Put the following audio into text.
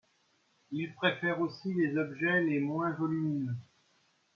Ils préfère aussi les objets les moins volumineux.